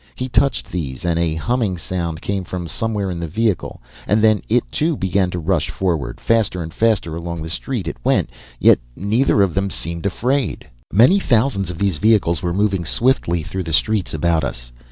He touched these and a humming sound came from somewhere in the vehicle and then it too began to rush forward. Faster and faster along the street it went, yet neither of them seemed afraid. "Many thousands of these vehicles were moving swiftly through the streets about us.